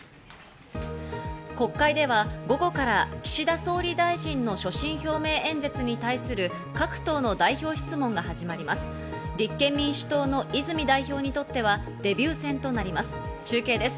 国会では、午後から岸田総理大臣の所信表明演説に対する各党の代表質問が始まります。